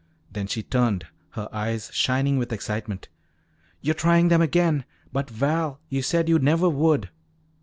Then she turned, her eyes shining with excitement. "You're trying them again! But, Val, you said you never would."